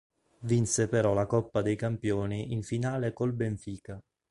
Vinse però la Coppa dei Campioni in finale col Benfica.